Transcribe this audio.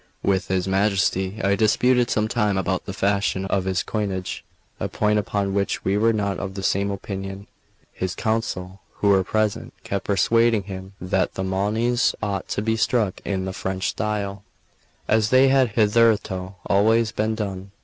With his Majesty I disputed some time about the fashion of his coinage, a point upon which we were not of the same opinion; his council, who were present, kept persuading him that the monies ought to be struck in the French style, as they had hitherto always been done.